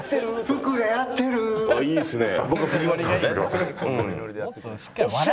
いいっすね。